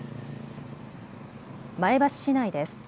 前橋市内です。